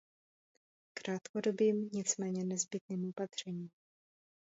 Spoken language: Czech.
Krátkodobým, nicméně nezbytným opatřením.